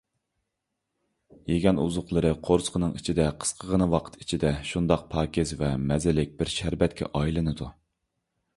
يېگەن ئوزۇقلىرى قورسىقىنىڭ ئىچىدە قىسقىغىنە ۋاقىت ئىچىدە شۇنداق پاكىز ۋە مەززىلىك بىر شەربەتكە ئايلىنىدۇ.